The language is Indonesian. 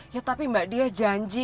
ya tapi mbak dia janji